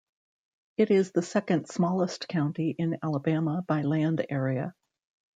It is the second-smallest county in Alabama by land area.